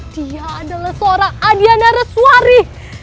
dia adalah seorang adiana resuari